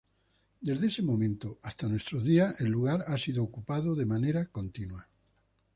Desde ese momento hasta nuestros días el lugar ha sido ocupado de manera continua.